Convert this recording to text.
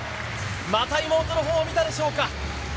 また妹のほうを見たでしょうか。